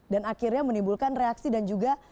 dan akhirnya menimbulkan reaksi dan juga